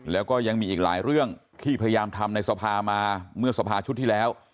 แล้วก็ยังมีอีกหลายเรื่องที่พยายามทำในสภามาเมื่อสภาชุดที่แล้ว